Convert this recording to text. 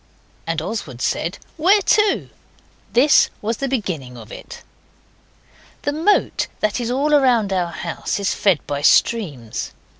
And Oswald said, 'Where to?' This was the beginning of it. The moat that is all round our house is fed by streams.